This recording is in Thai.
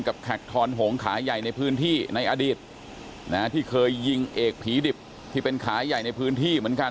แขกทอนหงขาใหญ่ในพื้นที่ในอดีตนะที่เคยยิงเอกผีดิบที่เป็นขาใหญ่ในพื้นที่เหมือนกัน